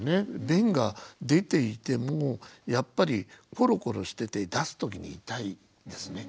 便が出ていてもやっぱりコロコロしてて出す時に痛いですね